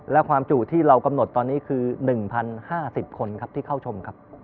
และความจุที่เรากำหนดตอนนี้คือ๑๐๕๐คนครับที่เข้าชมครับ